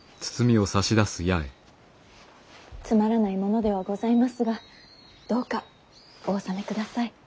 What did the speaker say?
つまらないものではございますがどうかお納めください。